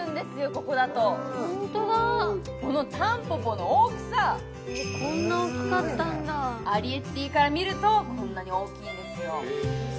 ここだとホントだこのたんぽぽの大きさこんな大きかったんだアリエッティから見るとこんなに大きいんですよ